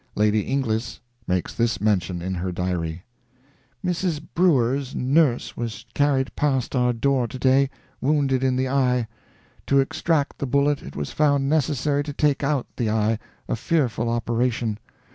Lady Inglis makes this mention in her diary: "Mrs. Bruere's nurse was carried past our door to day, wounded in the eye. To extract the bullet it was found necessary to take out the eye a fearful operation.